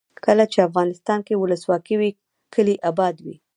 کله چې افغانستان کې ولسواکي وي کلي اباد وي.